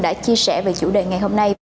đã chia sẻ về chủ đề ngày hôm nay